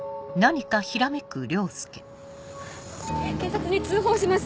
警察に通報します。